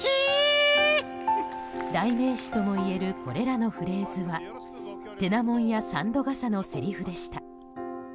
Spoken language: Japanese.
代名詞ともいえるこれらのフレーズは「てなもんや三度笠」のせりふでした。